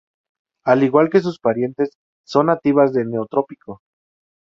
Al igual que sus parientes, son nativas del Neotrópico.